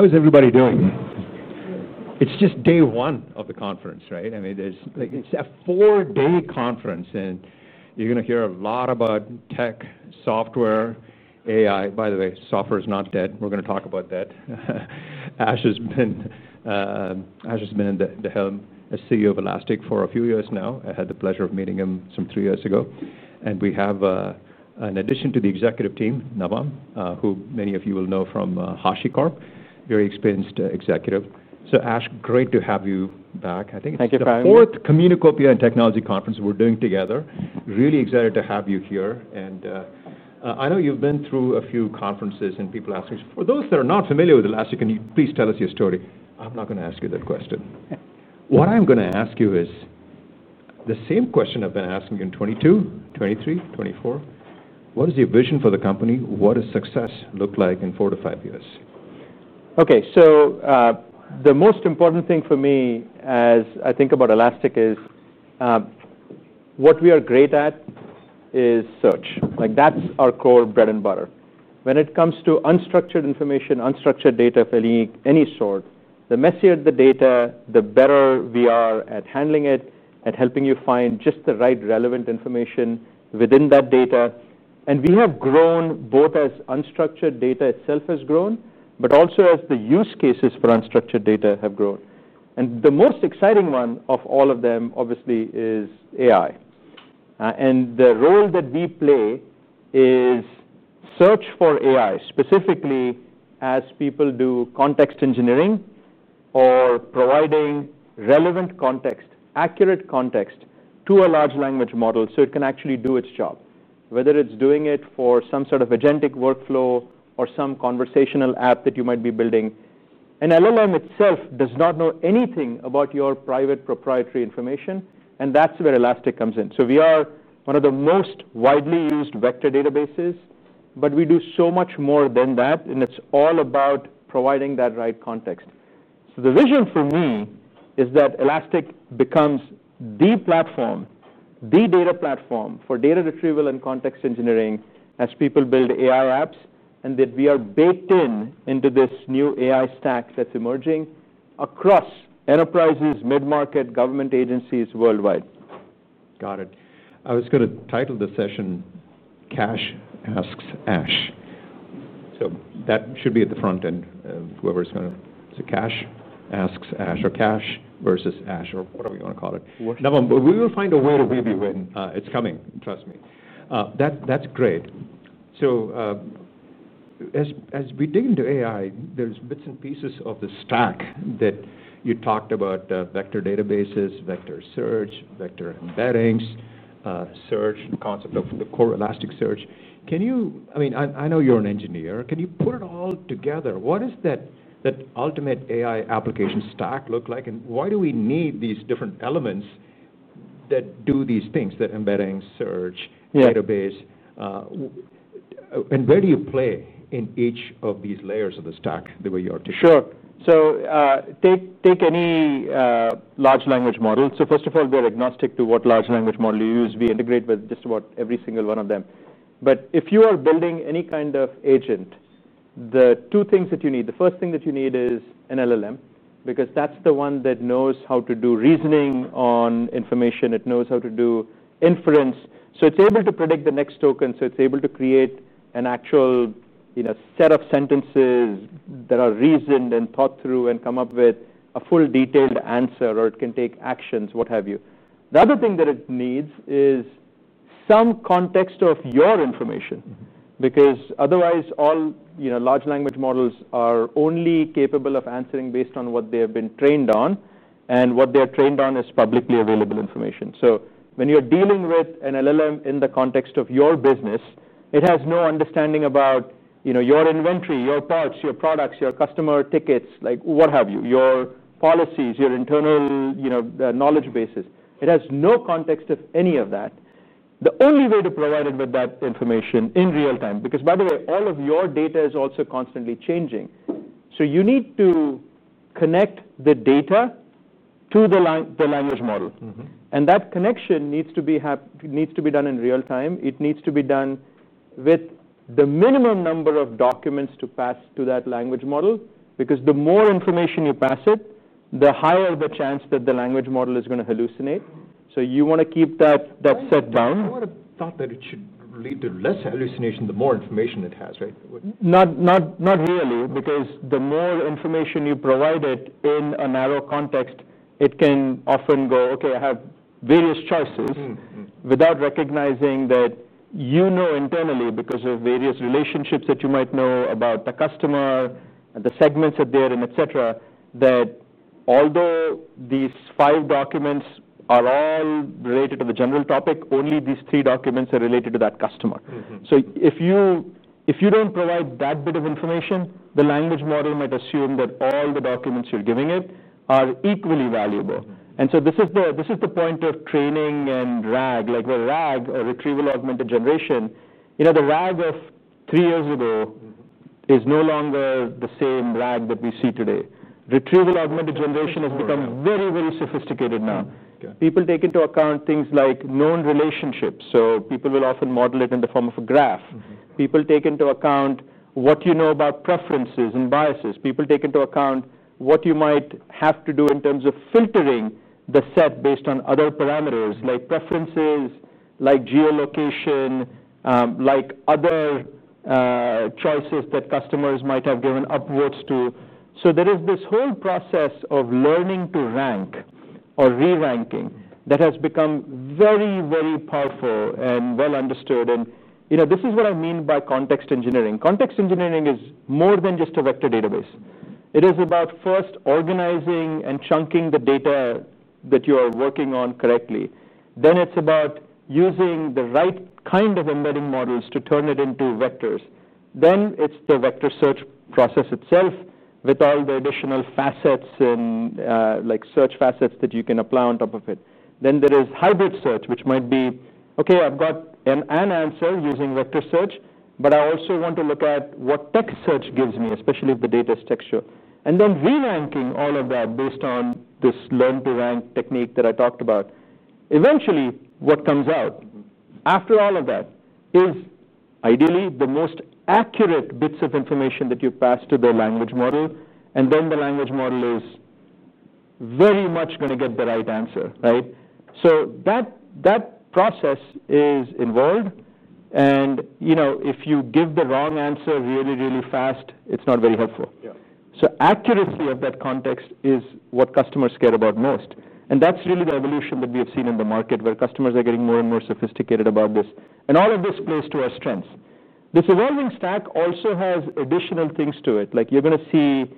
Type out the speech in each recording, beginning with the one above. How is everybody doing? It's just day one of the conference, right? I mean, it's a four-day conference, and you're going to hear a lot about tech, software, AI. By the way, software is not dead. We're going to talk about that. Ash has been at the helm as CEO of Elastic for a few years now. I had the pleasure of meeting him some three years ago. We have an addition to the executive team, Navam, who many of you will know from HashiCorp, very experienced executive. Ash, great to have you back. I think it's the fourth Communicopia and Technology Conference we're doing together. Really excited to have you here. I know you've been through a few conferences, and people ask me, for those that are not familiar with Elastic, can you please tell us your story? I'm not going to ask you that question. What I'm going to ask you is the same question I've been asking you in 2022, 2023, 2024. What is your vision for the company? What does success look like in four to five years? OK, the most important thing for me as I think about Elastic is what we are great at is search. That's our core bread and butter. When it comes to unstructured information, unstructured data of any sort, the messier the data, the better we are at handling it, at helping you find just the right relevant information within that data. We have grown both as unstructured data itself has grown, but also as the use cases for unstructured data have grown. The most exciting one of all of them, obviously, is AI. The role that we play is search for AI, specifically as people do context engineering or providing relevant context, accurate context to a large language model so it can actually do its job, whether it's doing it for some sort of agentic workflow or some conversational app that you might be building. An LLM itself does not know anything about your private proprietary information. That's where Elastic comes in. We are one of the most widely used vector databases, but we do so much more than that. It's all about providing that right context. The vision for me is that Elastic becomes the platform, the data platform for data retrieval and context engineering as people build AI apps, and that we are baked in into this new AI stack that's emerging across enterprises, mid-market, government agencies worldwide. Got it. I was going to title the session "Cash Asks Ash." That should be at the front end, whoever's going to—Cash Asks Ash, or Cash versus Ash, or whatever you want to call it. We will find a way to really win. It's coming. Trust me. That's great. As we dig into AI, there's bits and pieces of the stack that you talked about: vector databases, vector search, vector embeddings, search, the concept of the core Elastic search. Can you, I mean, I know you're an engineer, can you put it all together? What does that ultimate AI application stack look like? Why do we need these different elements that do these things, that embedding, search, database? Where do you play in each of these layers of the stack the way you are? Sure. Take any large language model. First of all, we're agnostic to what large language model you use. We integrate with just about every single one of them. If you are building any kind of agent, the two things that you need, the first thing that you need is an LLM, because that's the one that knows how to do reasoning on information. It knows how to do inference. It's able to predict the next token. It's able to create an actual set of sentences that are reasoned and thought through and come up with a full detailed answer, or it can take actions, what have you. The other thing that it needs is some context of your information, because otherwise all large language models are only capable of answering based on what they have been trained on. What they are trained on is publicly available information. When you're dealing with an LLM in the context of your business, it has no understanding about your inventory, your parts, your products, your customer tickets, like what have you, your policies, your internal knowledge bases. It has no context of any of that. The only way to provide it with that information in real time, because by the way, all of your data is also constantly changing. You need to connect the data to the language model. That connection needs to be done in real time. It needs to be done with the minimum number of documents to pass to that language model, because the more information you pass it, the higher the chance that the language model is going to hallucinate. You want to keep that set down. I would have thought that it should lead to less hallucination the more information it has, right? Not really, because the more information you provide it in a narrow context, it can often go, OK, I have various choices without recognizing that you know internally, because of various relationships that you might know about the customer, the segments that they're in, etc., that although these five documents are all related to the general topic, only these three documents are related to that customer. If you don't provide that bit of information, the language model might assume that all the documents you're giving it are equally valuable. This is the point of training and RAG, like the RAG, or retrieval augmented generation. The RAG of three years ago is no longer the same RAG that we see today. Retrieval augmented generation has become very, very sophisticated now. People take into account things like known relationships. People will often model it in the form of a graph. People take into account what you know about preferences and biases. People take into account what you might have to do in terms of filtering the set based on other parameters, like preferences, like geolocation, like other choices that customers might have given upwards to. There is this whole process of learning to rank or re-ranking that has become very, very powerful and well understood. This is what I mean by context engineering. Context engineering is more than just a vector database. It is about first organizing and chunking the data that you are working on correctly. Then it's about using the right kind of embedding models to turn it into vectors. Then it's the vector search process itself with all the additional facets and search facets that you can apply on top of it. There is hybrid search, which might be, OK, I've got an answer using vector search, but I also want to look at what text search gives me, especially if the data is textual, and then re-ranking all of that based on this learn-to-rank technique that I talked about. Eventually, what comes out after all of that is ideally the most accurate bits of information that you pass to the language model. The language model is very much going to get the right answer, right? That process is involved. If you give the wrong answer really, really fast, it's not very helpful. Accuracy of that context is what customers care about most. That is really the evolution that we have seen in the market, where customers are getting more and more sophisticated about this. All of this plays to our strengths. This evolving stack also has additional things to it. For example,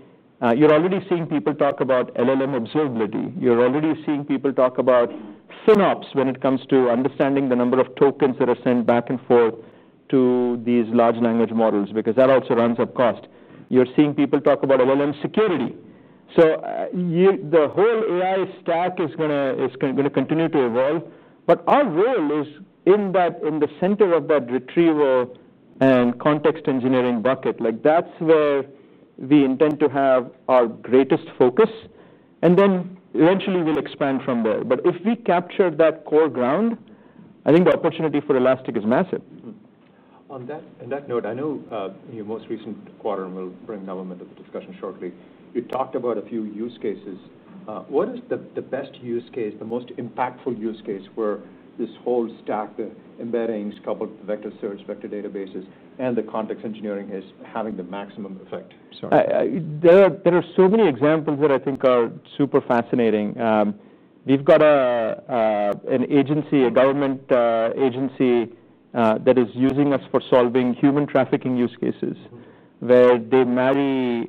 you are already seeing people talk about Elastic LLM Observability. You are already seeing people talk about synapse when it comes to understanding the number of tokens that are sent back and forth to these large language models, because that also runs up cost. You are seeing people talk about LLM security. The whole AI stack is going to continue to evolve. Our role is in the center of that retrieval and context engineering bucket. That is where we intend to have our greatest focus. Eventually, we will expand from there. If we capture that core ground, I think the opportunity for Elastic is massive. On that note, I know your most recent quarter, and we'll bring Navam into the discussion shortly. You talked about a few use cases. What is the best use case, the most impactful use case where this whole stack, the embeddings, coupled with the vector search, vector databases, and the context engineering, is having the maximum effect? There are so many examples that I think are super fascinating. We've got a government agency that is using us for solving human trafficking use cases, where they marry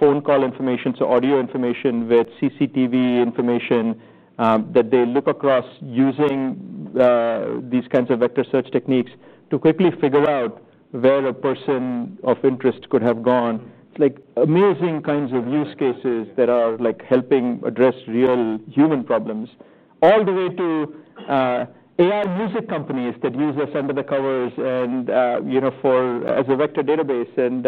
phone call information, so audio information, with CCTV information that they look across using these kinds of vector search techniques to quickly figure out where a person of interest could have gone. Amazing kinds of use cases that are helping address real human problems, all the way to AI music companies that use us under the covers and as a vector database. What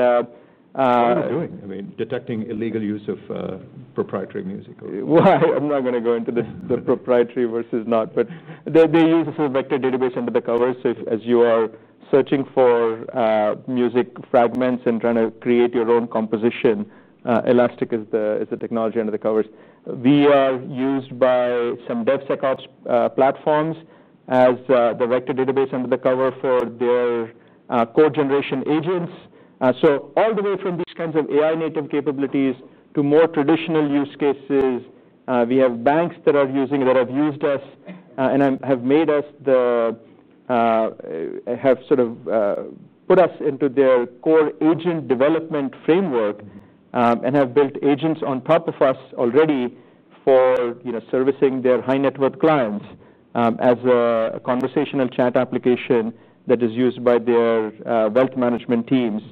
are they doing? I mean, detecting illegal use of proprietary music? I'm not going to go into the proprietary versus not. They use us as a vector database under the covers. As you are searching for music fragments and trying to create your own composition, Elastic is the technology under the covers. We are used by some DevSecOps platforms as the vector database under the cover for their code generation agents. All the way from these kinds of AI-native capabilities to more traditional use cases, we have banks that have used us and have made us the, have sort of put us into their core agent development framework and have built agents on top of us already for servicing their high-net-worth clients as a conversational chat application that is used by their wealth management teams,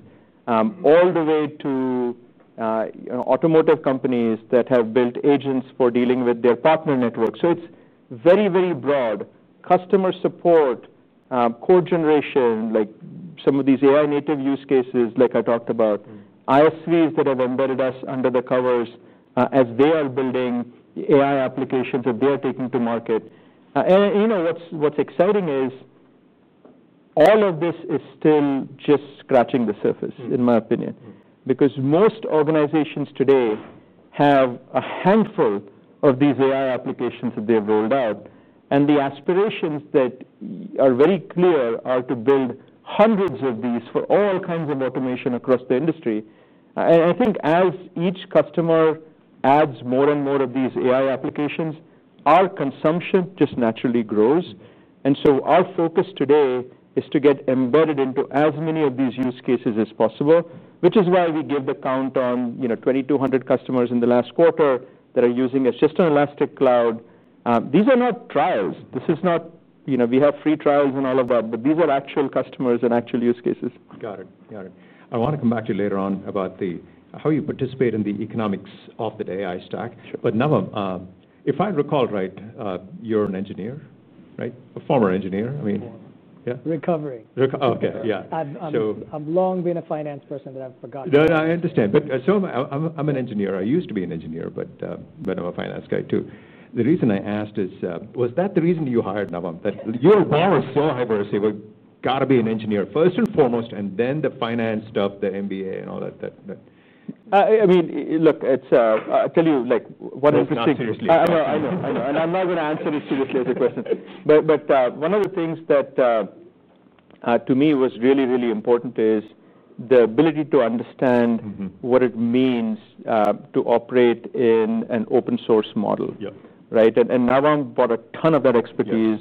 all the way to automotive companies that have built agents for dealing with their partner networks. It's very, very broad. Customer support, code generation, like some of these AI-native use cases, like I talked about, ISVs that have embedded us under the covers as they are building AI applications that they are taking to market. You know, what's exciting is all of this is still just scratching the surface, in my opinion, because most organizations today have a handful of these AI applications that they've rolled out. The aspirations that are very clear are to build hundreds of these for all kinds of automation across the industry. I think as each customer adds more and more of these AI applications, our consumption just naturally grows. Our focus today is to get embedded into as many of these use cases as possible, which is why we give the count on 2,200 customers in the last quarter that are using a Cisco Elastic Cloud. These are not trials. This is not, you know, we have free trials and all of that, but these are actual customers and actual use cases. Got it. I want to come back to you later on about how you participate in the economics of the AI stack. Navam, if I recall right, you're an engineer, right? A former engineer. Before. Recovering. OK, yeah. I've long been a finance person that I've forgotten. I understand. I'm an engineer. I used to be an engineer, but I'm a finance guy too. The reason I asked is, was that the reason you hired Navam? Yes. You're a bar of slow hyperscaler. Got to be an engineer first and foremost, and then the finance stuff, the MBA, and all that. I'll tell you, like, one interesting. No, seriously. I know. I'm not going to answer it seriously as a question. One of the things that to me was really, really important is the ability to understand what it means to operate in an open-source model, right? Navam brought a ton of that expertise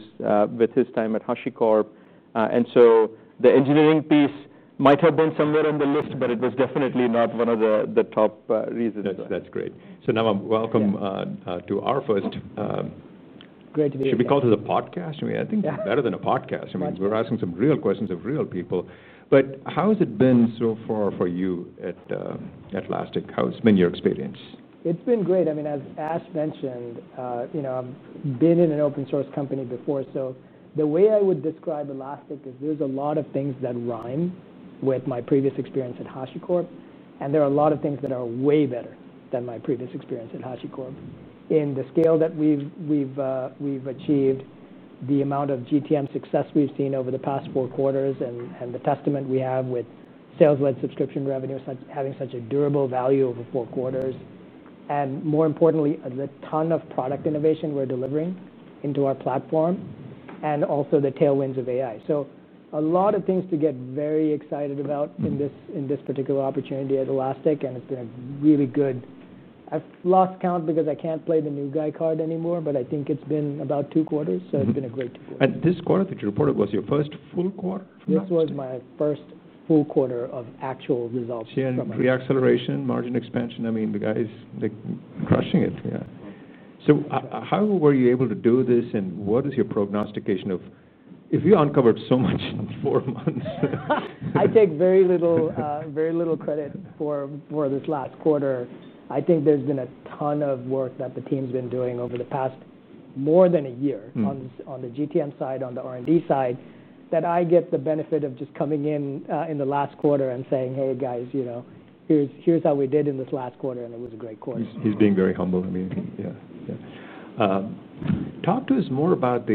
with his time at HashiCorp. The engineering piece might have been somewhere in the list, but it was definitely not one of the top reasons. That's great. Navam, welcome to our first. Great to be here. Should we call it a podcast? I mean, I think it's better than a podcast. We're asking some real questions of real people. How has it been so far for you at Elastic? How's been your experience? It's been great. I mean, as Ashutosh mentioned, you know, I've been in an open-source company before. The way I would describe Elastic is there's a lot of things that rhyme with my previous experience at HashiCorp, and there are a lot of things that are way better than my previous experience at HashiCorp in the scale that we've achieved, the amount of GTM success we've seen over the past four quarters, and the testament we have with sales-led subscription revenue having such a durable value over four quarters. More importantly, the ton of product innovation we're delivering into our platform, and also the tailwinds of AI. There are a lot of things to get very excited about in this particular opportunity at Elastic. It's been a really good time. I've lost count because I can't play the new guy card anymore, but I think it's been about two quarters. It's been a great time. This quarter that you reported was your first full quarter? This was my first full quarter of actual results. Seeing the pre-acceleration, margin expansion. The guy's crushing it. How were you able to do this? What is your prognostication if you uncovered so much in four months? I take very little credit for this last quarter. I think there's been a ton of work that the team's been doing over the past more than a year on the GTM side, on the R&D side, that I get the benefit of just coming in in the last quarter and saying, hey, guys, you know, here's how we did in this last quarter, and it was a great quarter. He's being very humble. I mean, yeah. Talk to us more about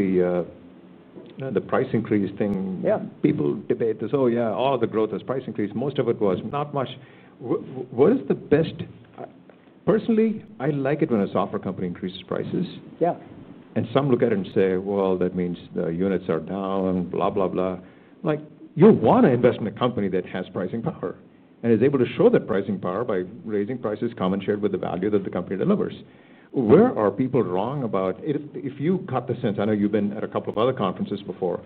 the price increase thing. People debate this, oh, yeah, all the growth has price increased. Most of it was not much. What is the best? Personally, I like it when a software company increases prices. Yeah. Some look at it and say that means the units are down, blah, blah, blah. You want to invest in a company that has pricing power and is able to show that pricing power by raising prices, common shared with the value that the company delivers. Where are people wrong about, if you got the sense, I know you've been at a couple of other conferences before,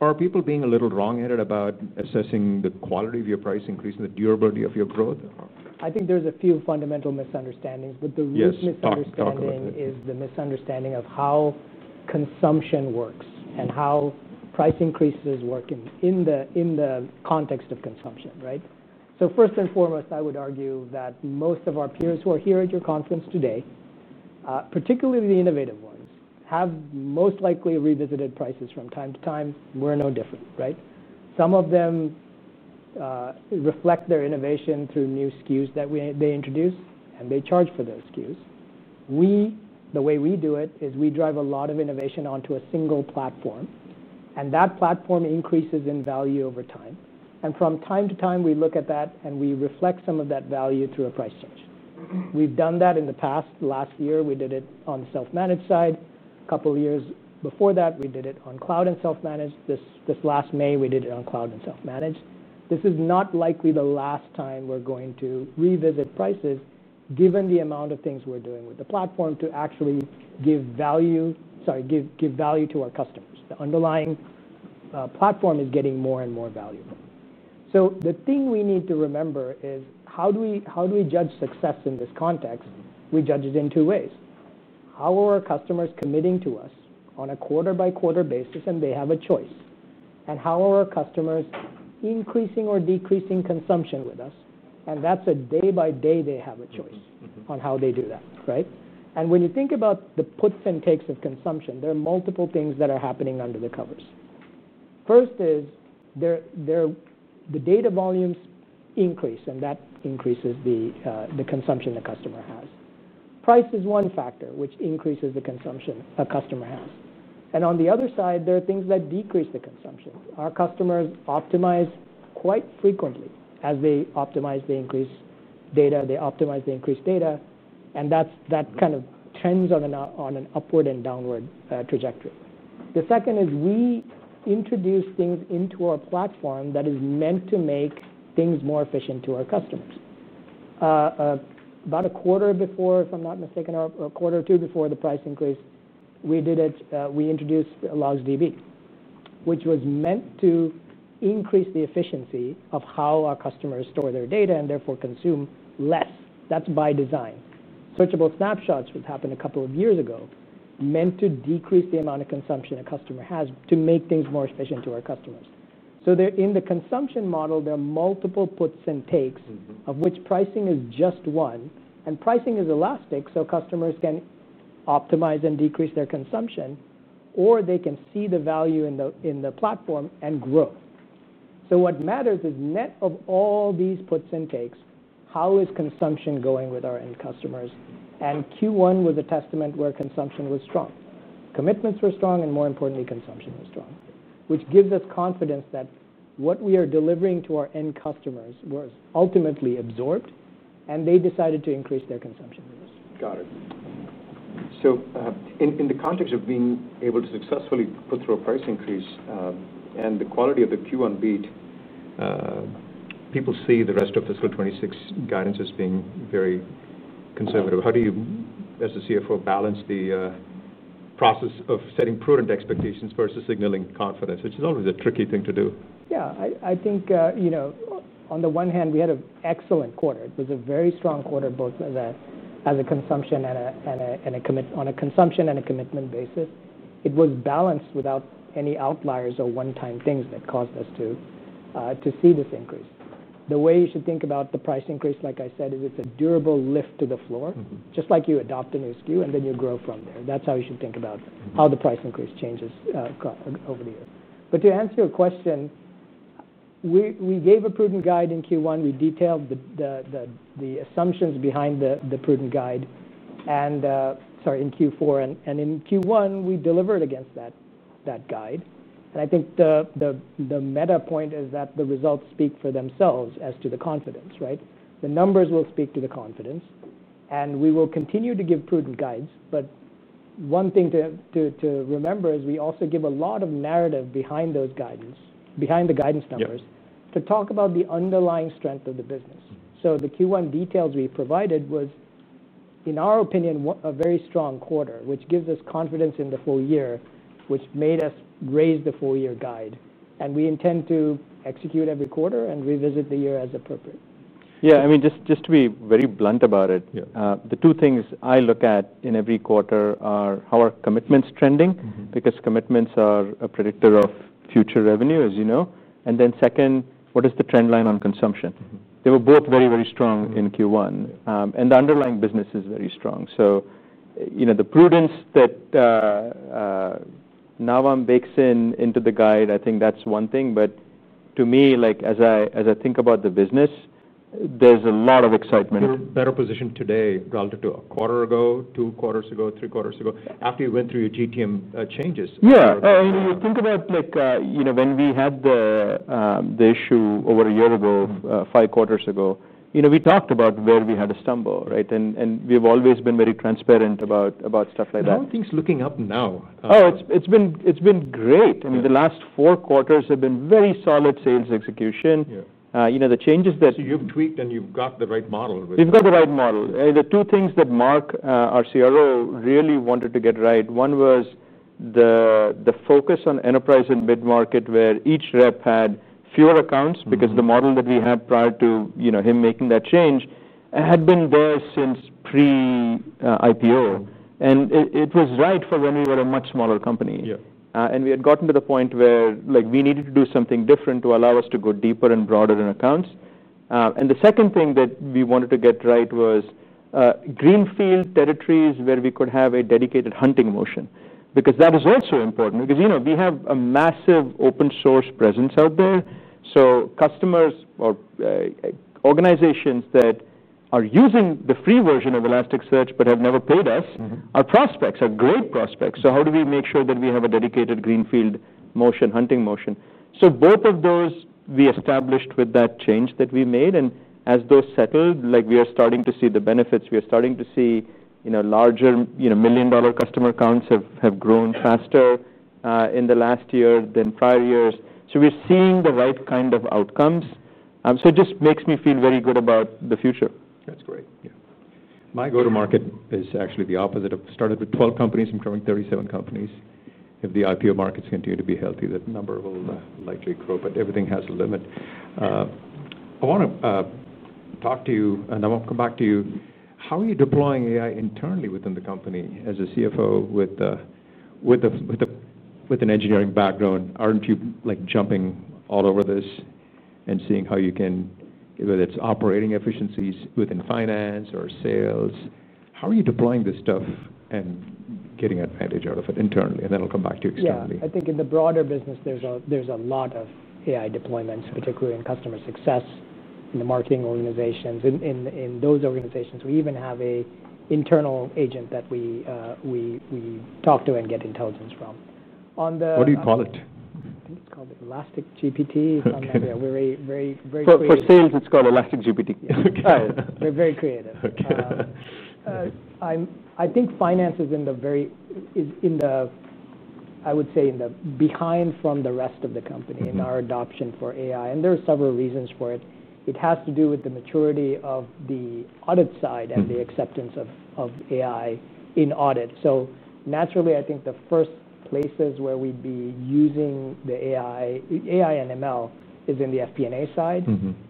are people being a little wrong-headed about assessing the quality of your price increase and the durability of your growth? I think there's a few fundamental misunderstandings. The least misunderstanding is the misunderstanding of how consumption works and how price increases work in the context of consumption, right? First and foremost, I would argue that most of our peers who are here at your conference today, particularly the innovative ones, have most likely revisited prices from time to time. We're no different, right? Some of them reflect their innovation through new SKUs that they introduce, and they charge for those SKUs. The way we do it is we drive a lot of innovation onto a single platform, and that platform increases in value over time. From time to time, we look at that, and we reflect some of that value through a price change. We've done that in the past. Last year, we did it on the self-managed side. A couple of years before that, we did it on cloud and self-managed. This last May, we did it on cloud and self-managed. This is not likely the last time we're going to revisit prices, given the amount of things we're doing with the platform to actually give value to our customers. The underlying platform is getting more and more valuable. The thing we need to remember is how do we judge success in this context? We judge it in two ways. How are our customers committing to us on a quarter-by-quarter basis, and they have a choice? How are our customers increasing or decreasing consumption with us? That's a day-by-day they have a choice on how they do that, right? When you think about the puts and takes of consumption, there are multiple things that are happening under the covers. First is the data volumes increase, and that increases the consumption the customer has. Price is one factor which increases the consumption a customer has. On the other side, there are things that decrease the consumption. Our customers optimize quite frequently. As they optimize, they increase data. They optimize, they increase data. That kind of tends on an upward and downward trajectory. The second is we introduce things into our platform that is meant to make things more efficient to our customers. About a quarter before, if I'm not mistaken, or a quarter or two before the price increase, we introduced Elasticsearch LogsDB index mode, which was meant to increase the efficiency of how our customers store their data and therefore consume less. That's by design. Searchable Snapshots, which happened a couple of years ago, meant to decrease the amount of consumption a customer has to make things more efficient to our customers. In the consumption model, there are multiple puts and takes, of which pricing is just one. Pricing is elastic, so customers can optimize and decrease their consumption, or they can see the value in the platform and grow. What matters is net of all these puts and takes, how is consumption going with our end customers? Q1 was a testament where consumption was strong. Commitments were strong, and more importantly, consumption was strong, which gives us confidence that what we are delivering to our end customers was ultimately absorbed, and they decided to increase their consumption with us. Got it. In the context of being able to successfully put through a price increase and the quality of the Q1 beat, people see the rest of the SQL 26 guidance as being very conservative. How do you, as a CFO, balance the process of setting prudent expectations versus signaling confidence, which is always a tricky thing to do? Yeah, I think, you know, on the one hand, we had an excellent quarter. It was a very strong quarter, both as a consumption and a commitment basis. It was balanced without any outliers or one-time things that caused us to see this increase. The way you should think about the price increase, like I said, it was a durable lift to the floor, just like you adopt a new SKU, and then you grow from there. That's how you should think about how the price increase changes over the year. To answer your question, we gave a prudent guide in Q1. We detailed the assumptions behind the prudent guide, sorry, in Q4. In Q1, we delivered against that guide. I think the meta point is that the results speak for themselves as to the confidence, right? The numbers will speak to the confidence. We will continue to give prudent guides. One thing to remember is we also give a lot of narrative behind those guidance, behind the guidance numbers, to talk about the underlying strength of the business. The Q1 details we provided was, in our opinion, a very strong quarter, which gives us confidence in the full year, which made us raise the full-year guide. We intend to execute every quarter and revisit the year as appropriate. Yeah, I mean, just to be very blunt about it, the two things I look at in every quarter are how are commitments trending, because commitments are a predictor of future revenue, as you know. The second is what is the trend line on consumption. They were both very, very strong in Q1, and the underlying business is very strong. You know the prudence that Navam Welihinda bakes into the guide, I think that's one thing. To me, as I think about the business, there's a lot of excitement. You're better positioned today relative to a quarter ago, two quarters ago, three quarters ago, after you went through your GTM changes. Yeah, you think about, like, you know, when we had the issue over a year ago, five quarters ago, you know, we talked about where we had to stumble, right? We've always been very transparent about stuff like that. How are things looking up now? Oh, it's been great. I mean, the last four quarters have been very solid sales execution. You know, the changes that. You've tweaked, and you've got the right model. We've got the right model. The two things that Mark, our CRO, really wanted to get right, one was the focus on enterprise and mid-market, where each rep had fewer accounts, because the model that we had prior to him making that change had been there since pre-IPO. It was right for when we were a much smaller company. We had gotten to the point where, like, we needed to do something different to allow us to go deeper and broader in accounts. The second thing that we wanted to get right was greenfield territories where we could have a dedicated hunting motion, because that is also important. We have a massive open-source presence out there. Customers or organizations that are using the free version of Elastic Search but have never paid us, our prospects are great prospects. How do we make sure that we have a dedicated greenfield motion, hunting motion? Both of those, we established with that change that we made. As those settled, we are starting to see the benefits. We are starting to see larger $1 million customer accounts have grown faster in the last year than prior years. We're seeing the right kind of outcomes. It just makes me feel very good about the future. That's great. Yeah, my go-to-market is actually the opposite. I've started with 12 companies. I'm growing 37 companies. If the IPO markets continue to be healthy, that number will likely grow. Everything has a limit. I want to talk to you, and I want to come back to you. How are you deploying AI internally within the company as a CFO with an engineering background? Aren't you, like, jumping all over this and seeing how you can, whether it's operating efficiencies within finance or sales, how are you deploying this stuff and getting advantage out of it internally? Then we'll come back to you externally. I think in the broader business, there's a lot of AI deployments, which include in customer success, in the marketing organizations. In those organizations, we even have an internal agent that we talk to and get intelligence from. What do you call it? It's called Elastic GPT. I mean, we're very, very creative. For sales, it's called Elastic GPT. We're very creative. I think finance is in the very, I would say, behind the rest of the company in our adoption for AI. There are several reasons for it. It has to do with the maturity of the audit side and the acceptance of AI in audit. Naturally, I think the first places where we'd be using the AI and ML is in the FP&A side,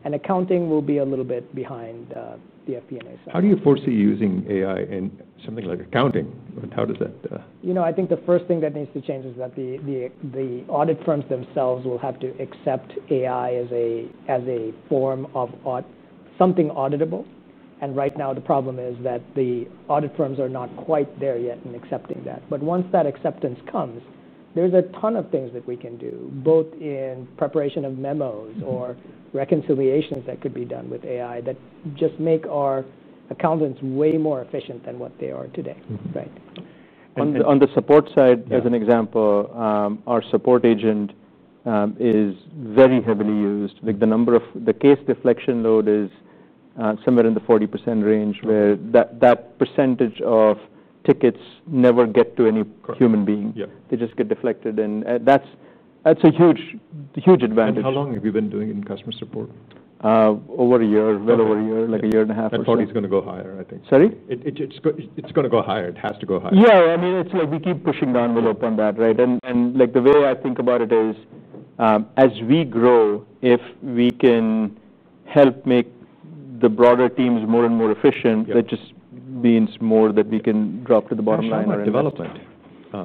and accounting will be a little bit behind the FP&A side. How do you foresee using AI in something like accounting? How does that? I think the first thing that needs to change is that the audit firms themselves will have to accept AI as a form of something auditable. Right now, the problem is that the audit firms are not quite there yet in accepting that. Once that acceptance comes, there's a ton of things that we can do, both in preparation of memos or reconciliations that could be done with AI that just make our accountants way more efficient than what they are today. On the support side, as an example, our support agent is very heavily used. The number of the case deflection load is somewhere in the 40% range, where that % of tickets never gets to any human being. They just get deflected. That's a huge, huge advantage. How long have you been doing it in customer support? Over a year, well over a year, like a year and a half. I thought it was going to go higher, I think. Sorry? It's going to go higher. It has to go higher. Yeah, I mean, we keep pushing the envelope on that, right? The way I think about it is, as we grow, if we can help make the broader teams more and more efficient, that just means more that we can drop to the bottom line. Development. We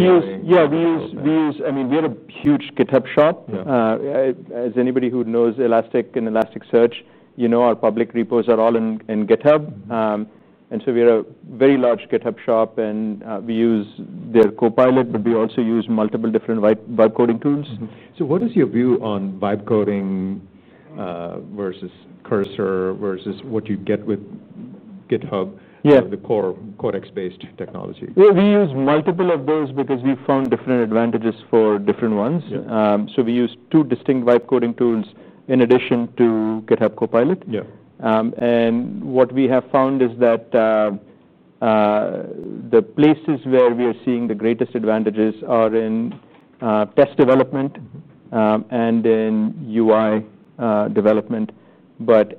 use, I mean, we are a huge GitHub shop. As anybody who knows Elastic and Elasticsearch, you know our public repos are all in GitHub. We are a very large GitHub shop, and we use their Copilot, but we also use multiple different web coding tools. What is your view on web coding versus Cursor versus what you get with GitHub, the core Codex-based technology? We use multiple of those because we found different advantages for different ones. We use two distinct web coding tools in addition to GitHub Copilot. What we have found is that the places where we are seeing the greatest advantages are in test development and in UI development.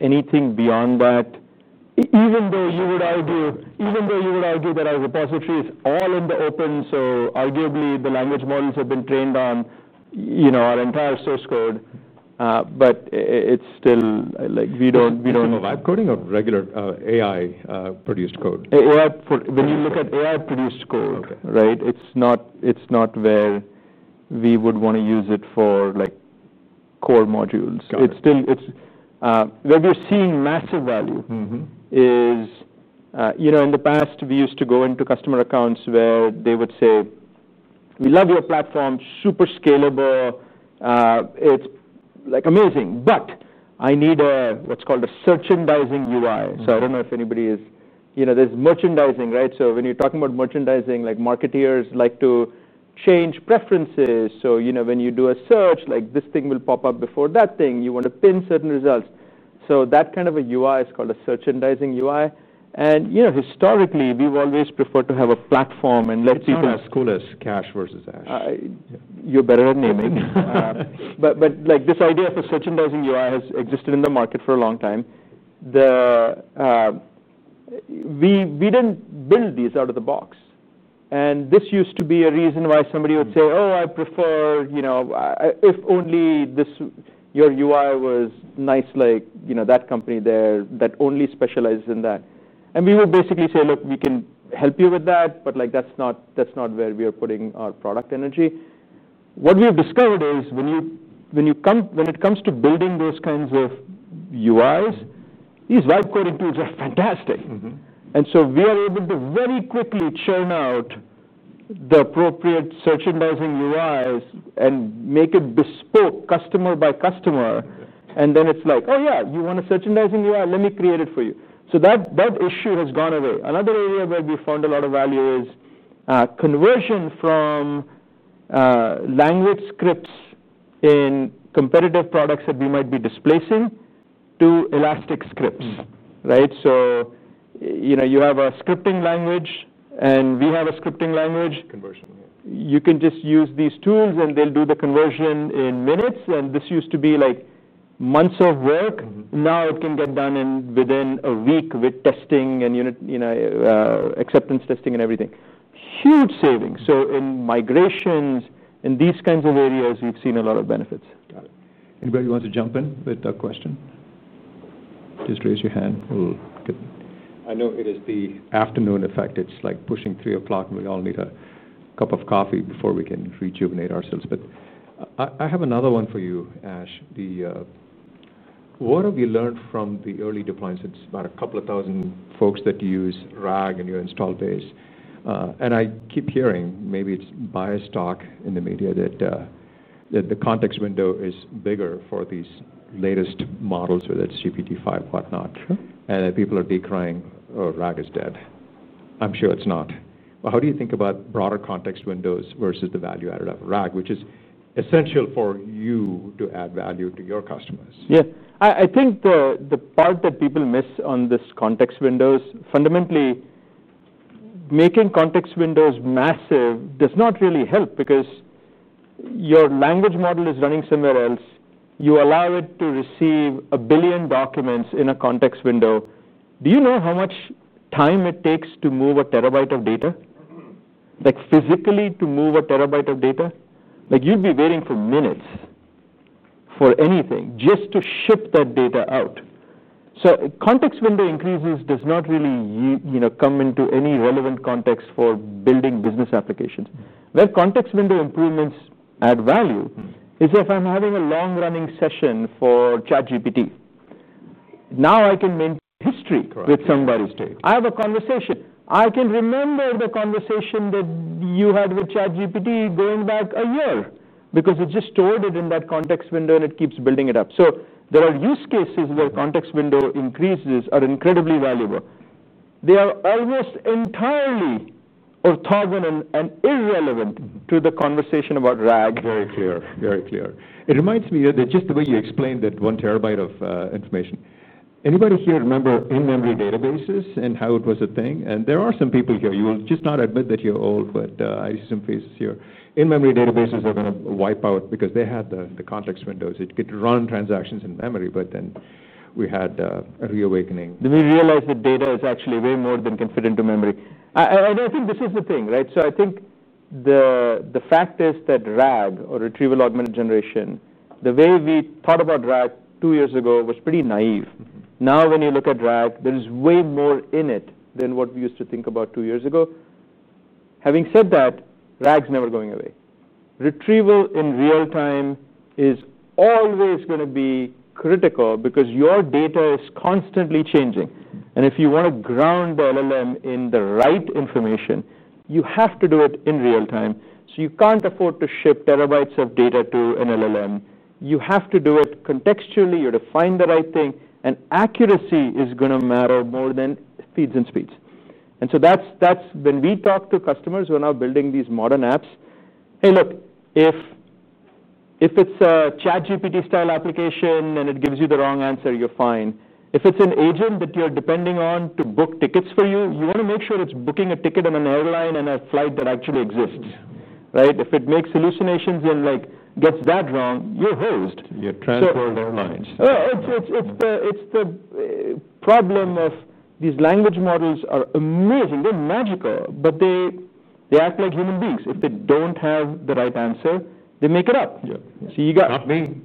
Anything beyond that, even though you would argue that our repository is all in the open, so arguably the language models have been trained on our entire source code, it's still, like, we don't. You mean web coding or regular AI-produced code? When you look at AI-produced code, it's not where we would want to use it for, like, core modules. Where we're seeing massive value is, in the past, we used to go into customer accounts where they would say, we love your platform, super scalable. It's amazing. I need what's called a search-endizing UI. I don't know if anybody is, you know, there's merchandising, right? When you're talking about merchandising, marketers like to change preferences. When you do a search, this thing will pop up before that thing. You want to pin certain results. That kind of a UI is called a search-endizing UI. Historically, we've always preferred to have a platform. Let's see who's coolest, Kash versus Ash. You're better at naming. This idea for search-endizing UI has existed in the market for a long time. We didn't build these out of the box. This used to be a reason why somebody would say, oh, I prefer, you know, if only your UI was nice, like, you know, that company there that only specializes in that. We would basically say, look, we can help you with that, but that's not where we are putting our product energy. What we've discovered is when it comes to building those kinds of UIs, these web coding tools are fantastic. We are able to very quickly churn out the appropriate search-endizing UIs and make it bespoke customer by customer. It's like, oh, yeah, you want a search-endizing UI? Let me create it for you. That issue has gone away. Another area where we found a lot of value is conversion from language scripts in competitive products that we might be displacing to Elastic scripts, right? You have a scripting language, and we have a scripting language. You can just use these tools, and they'll do the conversion in minutes. This used to be, like, months of work. Now it can get done within a week with testing and acceptance testing and everything. Huge savings. In migrations, in these kinds of areas, we've seen a lot of benefits. Got it. Anybody wants to jump in with a question? Just raise your hand. I know it is the afternoon effect. It's like pushing 3:00 P.M., and we all need a cup of coffee before we can rejuvenate ourselves. I have another one for you, Ash. What have you learned from the early deployments? It's about a couple of thousand folks that use retrieval augmented generation in your install base. I keep hearing, maybe it's biased talk in the media, that the context window is bigger for these latest models, whether it's GPT-5, whatnot, and that people are decrying, oh, retrieval augmented generation is dead. I'm sure it's not. How do you think about broader context windows versus the value added out of retrieval augmented generation, which is essential for you to add value to your customers? I think the part that people miss on these context windows, fundamentally, making context windows massive does not really help, because your language model is running somewhere else. You allow it to receive a billion documents in a context window. Do you know how much time it takes to move a terabyte of data? Like, physically to move a terabyte of data? You'd be waiting for minutes for anything just to ship that data out. Context window increases do not really come into any relevant context for building business applications. Where context window improvements add value is if I'm having a long-running session for ChatGPT. Now I can maintain. History with somebody's data. I have a conversation. I can remember the conversation that you had with ChatGPT going back a year, because it just stored it in that context window, and it keeps building it up. There are use cases where context window increases are incredibly valuable. They are almost entirely orthogonal and irrelevant to the conversation about RAG. Very clear, very clear. It reminds me that just the way you explained that one terabyte of information. Anybody here remember in-memory databases and how it was a thing? There are some people here. You will just not admit that you're old, but I see some faces here. In-memory databases are going to wipe out because they had the context windows. It could run transactions in memory, but then we had a reawakening. We realized that data is actually way more than can fit into memory. I think this is the thing, right? The fact is that RAG, or retrieval augmented generation, the way we thought about RAG two years ago was pretty naive. Now when you look at RAG, there is way more in it than what we used to think about two years ago. Having said that, RAG is never going away. Retrieval in real time is always going to be critical, because your data is constantly changing. If you want to ground the LLM in the right information, you have to do it in real time. You can't afford to ship terabytes of data to an LLM. You have to do it contextually. You define the right thing. Accuracy is going to matter more than speeds and speeds. When we talk to customers who are now building these modern apps, hey, look, if it's a ChatGPT-style application and it gives you the wrong answer, you're fine. If it's an agent that you're depending on to book tickets for you, you want to make sure it's booking a ticket on an airline and a flight that actually exists, right? If it makes hallucinations and, like, gets that wrong, you're hosed. You're transport airlines. The problem of these language models is they are amazing. They're magical. If they don't have the right answer, they make it up. Not me.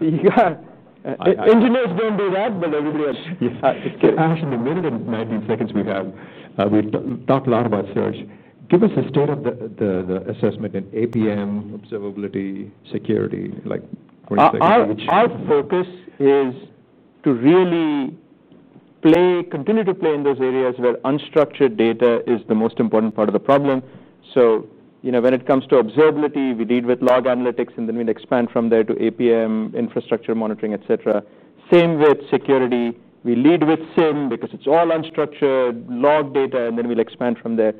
You got engineers don't do that, but everybody else. Yeah, it's getting fascinating. One minute and 19 seconds we have. We've talked a lot about search. Give us the state of the assessment in APM, observability, security. Like, what do you think? Our focus is to really continually play in those areas where unstructured data is the most important part of the problem. When it comes to observability, we lead with log analytics, and then we'll expand from there to APM, infrastructure monitoring, et cetera. The same with security. We lead with SIEM, because it's all unstructured log data, and then we'll expand from there.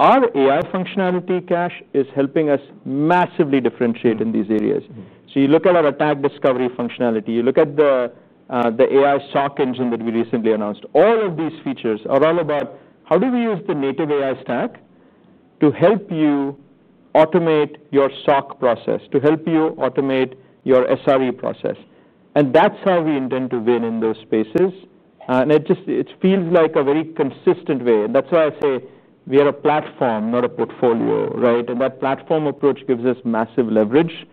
Our AI functionality, Kash, is helping us massively differentiate in these areas. You look at our tag discovery functionality. You look at the AI SOC engine that we recently announced. All of these features are all about how we use the native AI stack to help you automate your SOC process, to help you automate your SRE process. That's how we intend to win in those spaces. It just feels like a very consistent way. That's why I say we are a platform, not a portfolio, right? That platform approach gives us massive leverage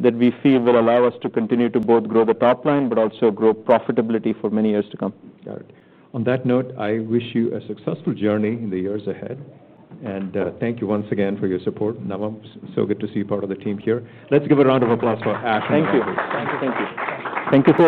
that we feel will allow us to continue to both grow the top line, but also grow profitability for many years to come. Got it. On that note, I wish you a successful journey in the years ahead. Thank you once again for your support. Navam, so good to see you part of the team here. Let's give a round of applause for Ash and Navam. Thank you. Thank you. Thank you. Thank you.